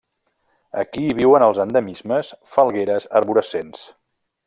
Aquí hi viuen els endemismes falgueres arborescents.